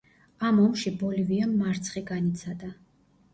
ამ ომში ბოლივიამ მარცხი განიცადა.